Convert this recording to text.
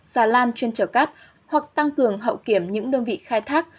xà lan chuyên trở cát hoặc tăng cường hậu kiểm những đơn vị khai thác